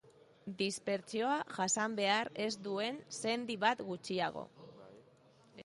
Dispertsioa jasan behar ez duen sendi bat gutxiago.